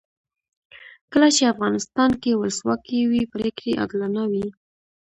کله چې افغانستان کې ولسواکي وي پرېکړې عادلانه وي.